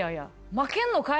負けんのかい！